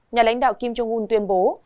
nhà lãnh đạo kim jong un tuyên bố